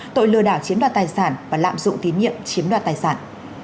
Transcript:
tội lừa đảo chiếm đoạt tài sản và lạm dụng tín nhiệm chiếm đoạt tài sản